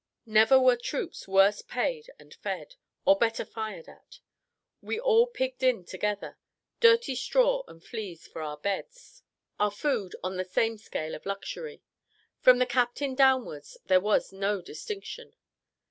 Never were troops worse paid and fed, or better fired at. We all pigged in together; dirty straw and fleas for our beds; our food on the same scale of luxury; from the captain downwards there was no distinction.